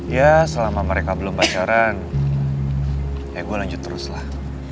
ya selama mereka belum pacaran ya gue lanjut terus lah